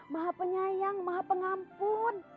maha penyayang maha pengampun